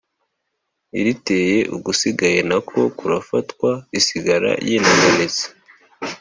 iriteye ugusigaye na ko kurafatwa isigara yinaganitse.